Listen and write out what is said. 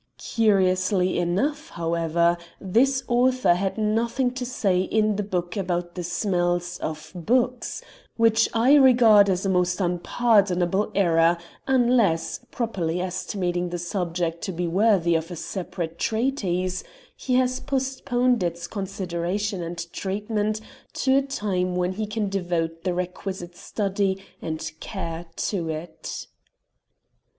Curiously enough, however, this author had nothing to say in the book about the smells of books, which I regard as a most unpardonable error, unless, properly estimating the subject to be worthy of a separate treatise, he has postponed its consideration and treatment to a time when he can devote the requisite study and care to it.